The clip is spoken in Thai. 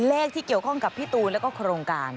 เลขที่เกี่ยวข้องกับพี่ตูนแล้วก็โครงการ